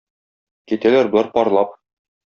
Китәләр болар парлап.